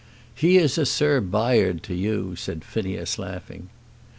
"He is a Sir Bayard to you," said Phineas, laughing.